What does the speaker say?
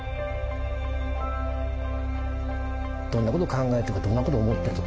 どんなこと考えてるかどんなこと思ってるとか。